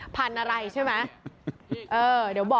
พันธุ์อะไรใช่ไหม